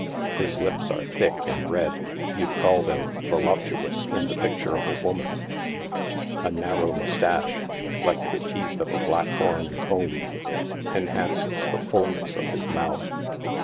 His lip3 are thick and red— you'd call them voluptuous in the picture of a woman — a nar row moustache, like the teeth of a black horn comb, enhances the fullness of his mouth.